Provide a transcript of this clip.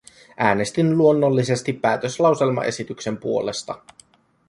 Äänestin luonnollisesti päätöslauselmaesityksen puolesta.